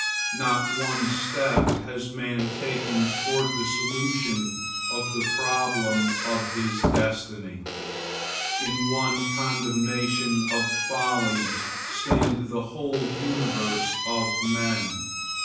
Not one step has man taken toward the solution of the problem of his destiny. In one condemnation of folly stand the whole universe of men.